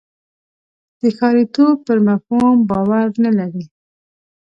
د ښاریتوب پر مفهوم باور نه لري.